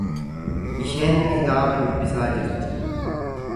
Isheen kitaaba dubbisaa jirti.